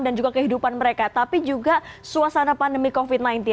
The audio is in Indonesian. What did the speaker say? dan juga kehidupan mereka tapi juga suasana pandemi covid sembilan belas